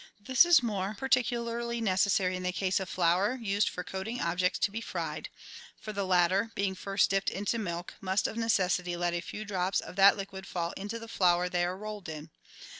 This is more particularly necessary in the case of flour used for coating objects to be fried; for the latter, being first dipped into milk, must of necessity let a few drops of that liquid fall into the flour they are rolled in.